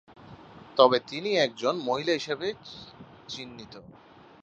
তবে তিনি একজন মহিলা হিসেবে চিহ্নিত।